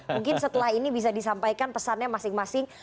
mungkin setelah ini bisa disampaikan pesannya masing masing